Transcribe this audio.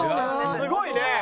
すごいね。